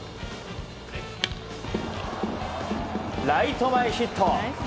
ライト前ヒット。